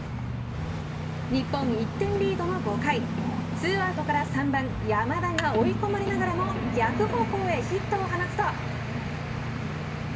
日本、１点リードの５回２アウトから３番、山田が追い込まれながらも逆方向へヒットを放つと。